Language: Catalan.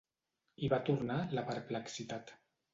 Hi va tornar la perplexitat.